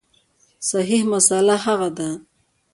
صحیح مسأله هغه ده